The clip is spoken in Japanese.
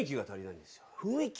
雰囲気？